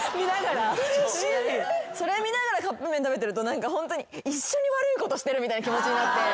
それ見ながらカップ麺食べてるとホントに一緒に悪いことしてるみたいな気持ちになって。